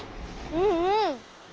うんうん。